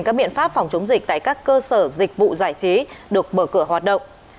các biện pháp phòng chống dịch tại các cơ sở dịch vụ giải trí được mở cửa hoạt động